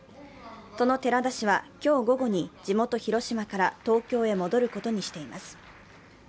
その寺田氏は、今日午後に地元・広島から東京へ戻ることにしています。